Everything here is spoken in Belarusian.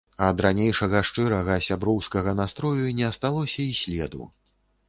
Ад ранейшага шчырага, сяброўскага настрою не асталося і следу.